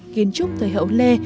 kiến trúc thời hậu lê